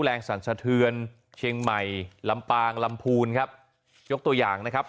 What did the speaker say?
สั่นสะเทือนเชียงใหม่ลำปางลำพูนครับยกตัวอย่างนะครับ